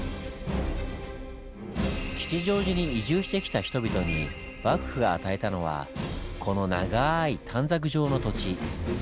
吉祥寺に移住してきた人々に幕府が与えたのはこのながい短冊状の土地。